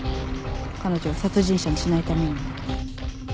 彼女を殺人者にしないためにも。